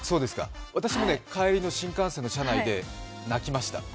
私もね、帰りの新幹線の車内で泣きました。